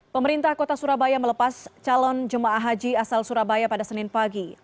pemerintah kota surabaya melepas calon jemaah haji asal surabaya pada senin pagi